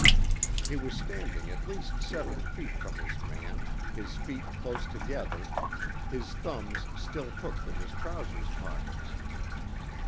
He was standing at least seven feet from his man, his feet close together, his thumbs still hooked in his trousers pockets.